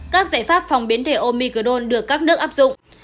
các giải pháp phòng biến thể omicron được các nước áp dụng